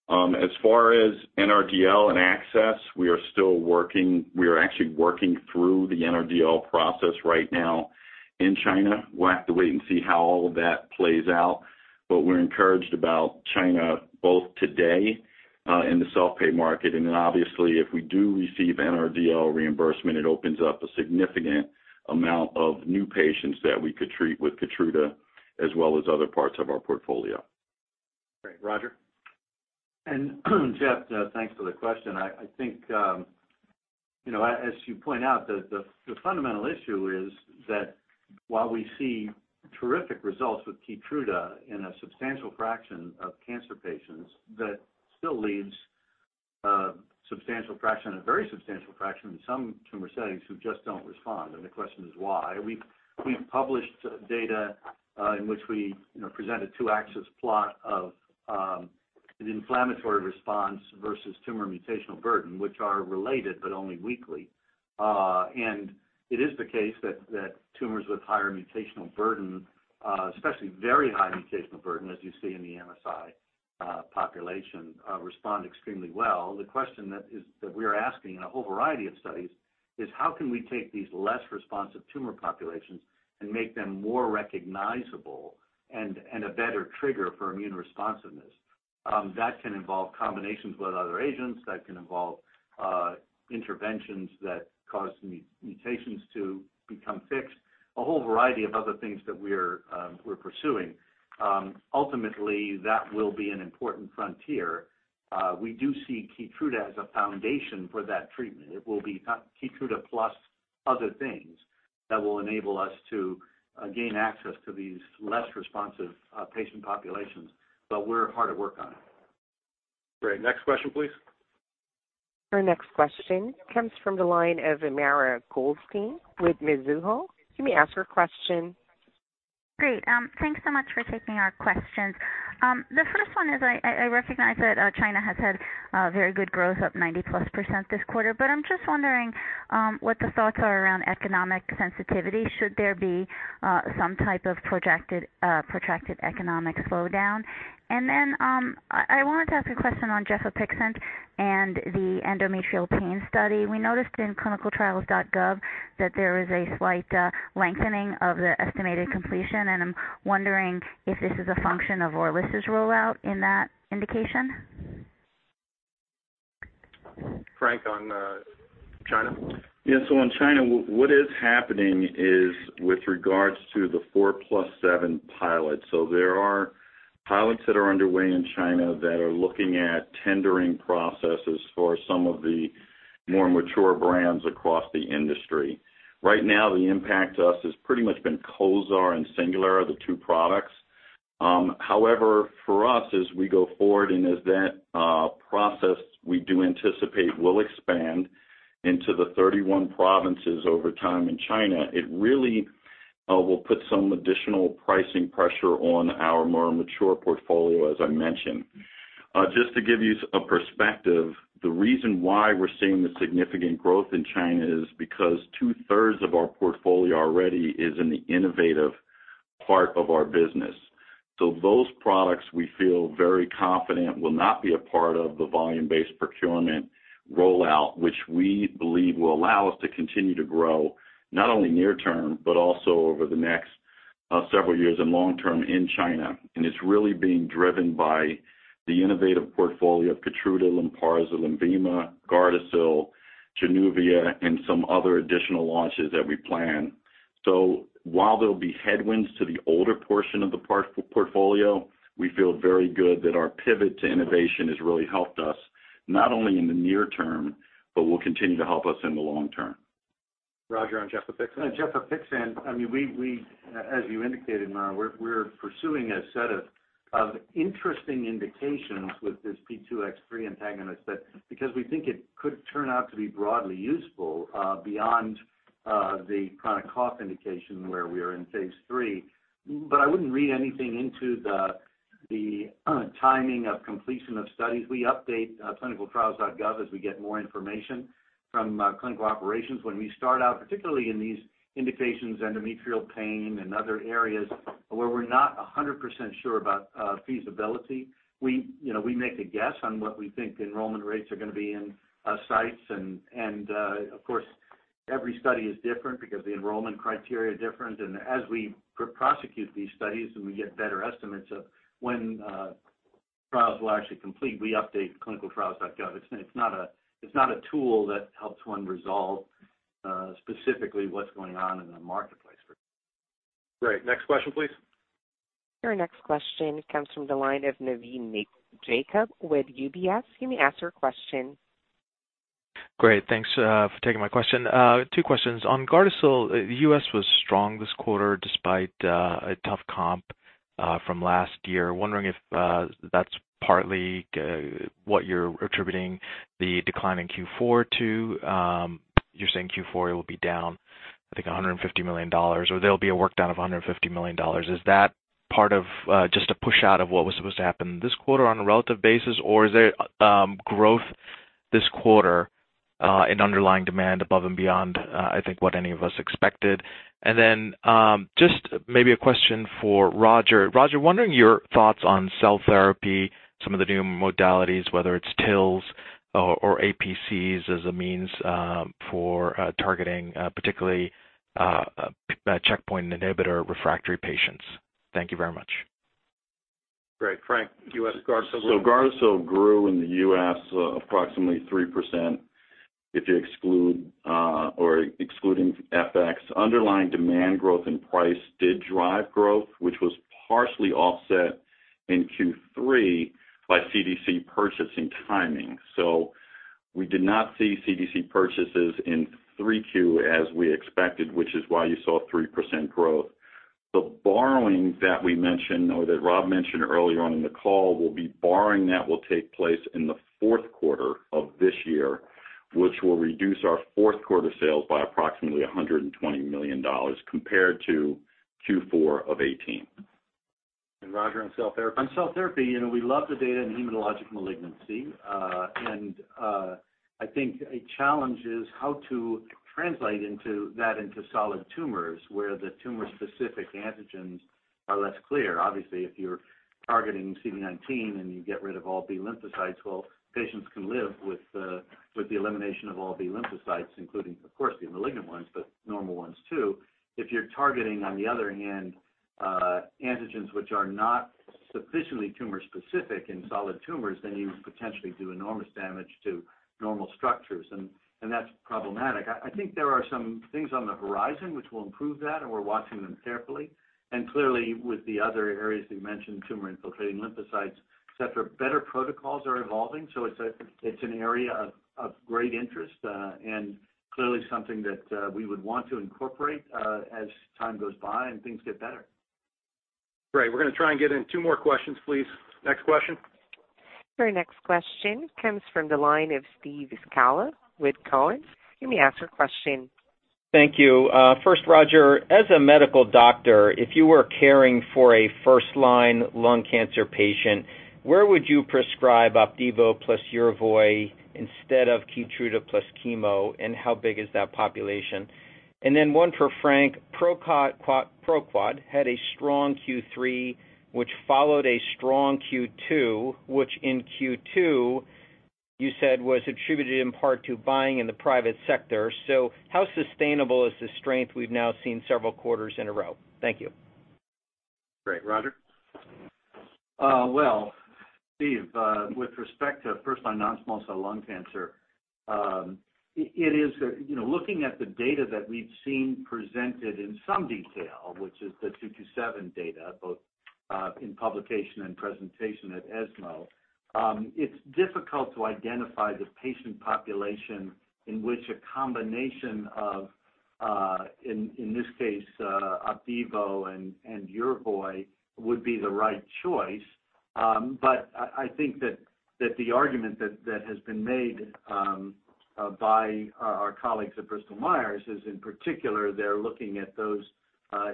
As far as NRDL and access, we are actually working through the NRDL process right now in China. We'll have to wait and see how all of that plays out. We're encouraged about China both today in the self-pay market, and then obviously, if we do receive NRDL reimbursement, it opens up a significant amount of new patients that we could treat with Keytruda as well as other parts of our portfolio. Great. Roger? Geoff, thanks for the question. I think, as you point out, the fundamental issue is that while we see terrific results with KEYTRUDA in a substantial fraction of cancer patients, that still leaves a substantial fraction, a very substantial fraction in some tumor settings who just don't respond. The question is why? We've published data in which we present a two-axis plot of an inflammatory response versus tumor mutational burden, which are related, but only weakly. It is the case that tumors with higher mutational burden, especially very high mutational burden, as you see in the MSI population, respond extremely well. The question that we are asking in a whole variety of studies is how can we take these less responsive tumor populations and make them more recognizable and a better trigger for immune responsiveness? That can involve combinations with other agents. That can involve interventions that cause mutations to become fixed. A whole variety of other things that we're pursuing. Ultimately, that will be an important frontier. We do see KEYTRUDA as a foundation for that treatment. It will be KEYTRUDA plus. Other things that will enable us to gain access to these less responsive patient populations, but we're hard at work on it. Great. Next question, please. Your next question comes from the line of Mara Goldstein with Mizuho. You may ask your question. Great. Thanks so much for taking our questions. The first one is, I recognize that China has had very good growth, up 90+% this quarter. I'm just wondering what the thoughts are around economic sensitivity should there be some type of protracted economic slowdown. I wanted to ask a question on gefapixant and the endometrial pain study. We noticed in clinicaltrials.gov that there is a slight lengthening of the estimated completion. I'm wondering if this is a function of ORILISSA's rollout in that indication. Frank, on China? Yeah. On China, what is happening is with regards to the 4+7 pilot, there are pilots that are underway in China that are looking at tendering processes for some of the more mature brands across the industry. Right now, the impact to us has pretty much been COZAAR and SINGULAIR are the two products. However, for us, as we go forward and as that process, we do anticipate, will expand into the 31 provinces over time in China, it really will put some additional pricing pressure on our more mature portfolio, as I mentioned. Just to give you a perspective, the reason why we're seeing the significant growth in China is because two-thirds of our portfolio already is in the innovative part of our business. Those products we feel very confident will not be a part of the volume-based procurement rollout, which we believe will allow us to continue to grow not only near term, but also over the next several years and long term in China. It's really being driven by the innovative portfolio of KEYTRUDA, LYNPARZA, LENVIMA, GARDASIL, JANUVIA, and some other additional launches that we plan. While there'll be headwinds to the older portion of the portfolio, we feel very good that our pivot to innovation has really helped us, not only in the near term, but will continue to help us in the long term. Roger, on gefapixant. On gefapixant, as you indicated, Mara, we're pursuing a set of interesting indications with this P2X3 antagonist that because we think it could turn out to be broadly useful beyond the chronic cough indication where we are in phase III. I wouldn't read anything into the timing of completion of studies. We update clinicaltrials.gov as we get more information from clinical operations. When we start out, particularly in these indications, endometrial pain and other areas where we're not 100% sure about feasibility, we make a guess on what we think enrollment rates are going to be in sites. Of course, every study is different because the enrollment criteria are different, and as we prosecute these studies and we get better estimates of when trials will actually complete, we update clinicaltrials.gov. It's not a tool that helps one resolve specifically what's going on in the marketplace. Great. Next question, please. Your next question comes from the line of Navin Jacob with UBS. You may ask your question. Great. Thanks for taking my question. Two questions. On GARDASIL, the U.S. was strong this quarter despite a tough comp from last year. Wondering if that's partly what you're attributing the decline in Q4 to. You're saying Q4 it will be down, I think, $150 million, or there'll be a write-down of $150 million. Is that part of just a push out of what was supposed to happen this quarter on a relative basis, or is there growth this quarter in underlying demand above and beyond, I think, what any of us expected? Then just maybe a question for Roger. Roger, wondering your thoughts on cell therapy, some of the new modalities, whether it's TILs or APCs as a means for targeting particularly checkpoint inhibitor refractory patients. Thank you very much. Great. Frank, U.S. GARDASIL. GARDASIL grew in the U.S. approximately 3% if you exclude or excluding FX. Underlying demand growth and price did drive growth, which was partially offset in Q3 by CDC purchasing timing. We did not see CDC purchases in 3Q as we expected, which is why you saw 3% growth. The borrowing that we mentioned or that Rob mentioned earlier on in the call will be borrowing that will take place in the fourth quarter of this year, which will reduce our fourth quarter sales by approximately $120 million compared to Q4 of 2018. Roger, on cell therapy. On cell therapy, we love the data in hematologic malignancy. I think a challenge is how to translate that into solid tumors where the tumor-specific antigens are less clear. Obviously, if you're targeting CD19 and you get rid of all B lymphocytes, well, patients can live with the elimination of all B lymphocytes, including, of course, the malignant ones, but normal ones too. If you're targeting, on the other hand, antigens which are not sufficiently tumor specific in solid tumors, you potentially do enormous damage to normal structures, and that's problematic. I think there are some things on the horizon which will improve that, we're watching them carefully. Clearly, with the other areas that you mentioned, tumor-infiltrating lymphocytes, et cetera, better protocols are evolving. It's an area of great interest and clearly something that we would want to incorporate as time goes by and things get better. Great. We're going to try and get in two more questions, please. Next question. Your next question comes from the line of Steve Scala with Cowen. You may ask your question. Thank you. First, Roger, as a medical doctor, if you were caring for a first-line lung cancer patient, where would you prescribe OPDIVO plus YERVOY instead of KEYTRUDA plus chemo, and how big is that population? One for Frank, ProQuad had a strong Q3, which followed a strong Q2, which in Q2 you said was attributed in part to buying in the private sector. How sustainable is the strength we've now seen several quarters in a row? Thank you. Great. Roger? Well, Steve, with respect to first-line non-small cell lung cancer, looking at the data that we've seen presented in some detail, which is the KEYNOTE-227 data, both in publication and presentation at ESMO, it's difficult to identify the patient population in which a combination of, in this case, Opdivo and Yervoy would be the right choice. I think that the argument that has been made by our colleagues at Bristol Myers is, in particular, they're looking at those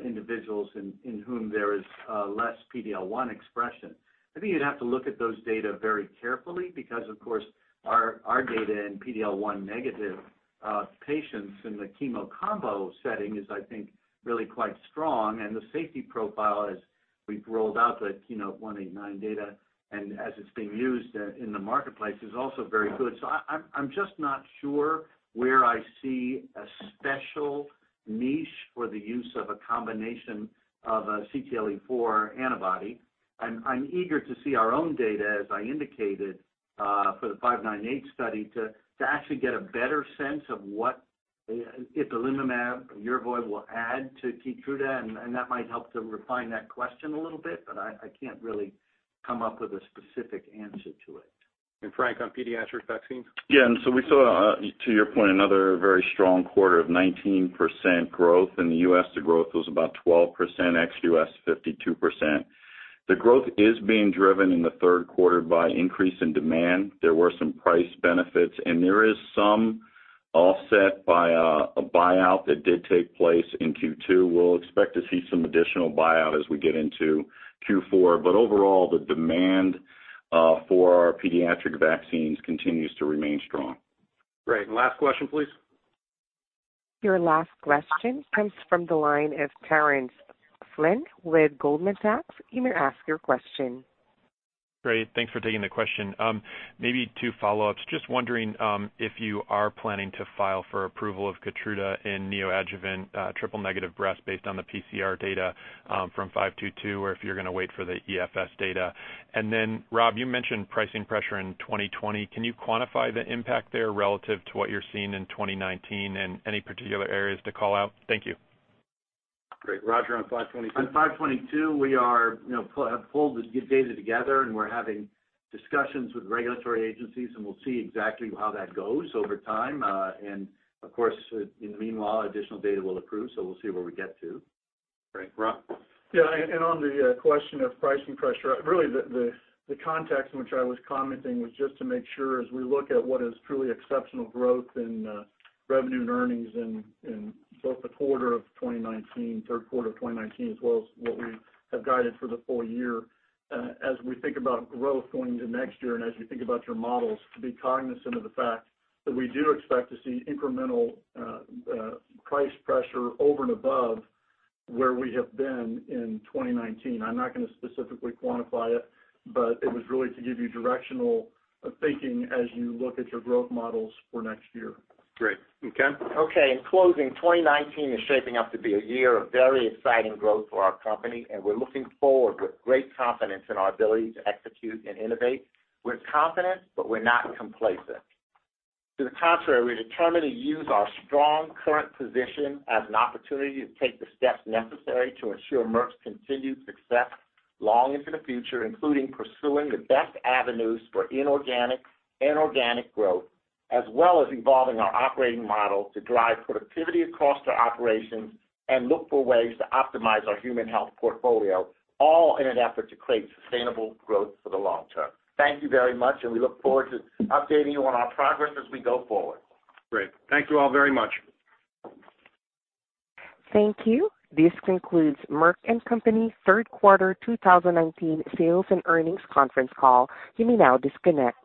individuals in whom there is less PD-L1 expression. I think you'd have to look at those data very carefully because, of course, our data in PD-L1 negative patients in the chemo combo setting is, I think, really quite strong, and the safety profile, as we've rolled out the KEYNOTE-189 data and as it's being used in the marketplace, is also very good. I'm just not sure where I see a special niche for the use of a combination of a CTLA-4 antibody. I'm eager to see our own data, as I indicated, for the 598 study to actually get a better sense of what if ipilimumab, Yervoy, will add to Keytruda, and that might help to refine that question a little bit, but I can't really come up with a specific answer to it. Frank, on pediatric vaccines? Yeah. We saw, to your point, another very strong quarter of 19% growth. In the U.S., the growth was about 12%, ex-U.S. 52%. The growth is being driven in the third quarter by increase in demand. There were some price benefits, and there is some offset by a buyout that did take place in Q2. We'll expect to see some additional buyout as we get into Q4. Overall, the demand for our pediatric vaccines continues to remain strong. Great. Last question, please. Your last question comes from the line of Terence Flynn with Goldman Sachs. You may ask your question. Great. Thanks for taking the question. Maybe two follow-ups. Just wondering if you are planning to file for approval of KEYTRUDA in neoadjuvant triple-negative breast based on the pCR data from KEYNOTE-522, or if you're going to wait for the EFS data. Rob, you mentioned pricing pressure in 2020. Can you quantify the impact there relative to what you're seeing in 2019 and any particular areas to call out? Thank you. Great. Roger, on 522. On KEYNOTE-522, we have pulled the data together, and we're having discussions with regulatory agencies, and we'll see exactly how that goes over time. Of course, in the meanwhile, additional data will accrue, so we'll see where we get to. Great. Rob? Yeah. On the question of pricing pressure, really the context in which I was commenting was just to make sure as we look at what is truly exceptional growth in revenue and earnings in both the quarter of 2019, third quarter of 2019, as well as what we have guided for the full year, as we think about growth going into next year, and as you think about your models, to be cognizant of the fact that we do expect to see incremental price pressure over and above where we have been in 2019. I'm not going to specifically quantify it, but it was really to give you directional thinking as you look at your growth models for next year. Great. Ken? Okay. In closing, 2019 is shaping up to be a year of very exciting growth for our company, and we're looking forward with great confidence in our ability to execute and innovate. We're confident, but we're not complacent. To the contrary, we're determined to use our strong current position as an opportunity to take the steps necessary to ensure Merck's continued success long into the future, including pursuing the best avenues for inorganic and organic growth, as well as evolving our operating model to drive productivity across our operations and look for ways to optimize our Human Health portfolio, all in an effort to create sustainable growth for the long term. Thank you very much, and we look forward to updating you on our progress as we go forward. Great. Thank you all very much. Thank you. This concludes Merck & Co. third quarter 2019 sales and earnings conference call. You may now disconnect.